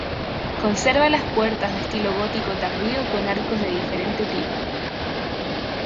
Conserva puertas de estilo gótico tardío con arcos de diferente tipo.